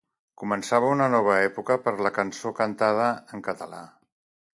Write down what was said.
Començava una nova època per la cançó cantada en català.